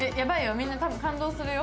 みんな多分感動するよ。